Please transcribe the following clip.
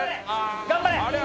頑張れ！